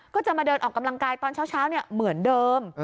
ก็จะมาเดินออกกำลังกายตอนเช้าเหมือนเดิม